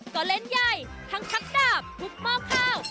ก็เล่นใหญ่ทั้งชักดาบทุกหม้อข้าว